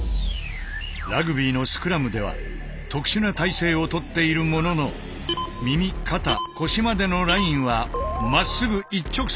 ラグビーのスクラムでは特殊な体勢をとっているものの耳肩腰までのラインはまっすぐ一直線になっている。